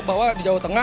bahwa di jawa tengah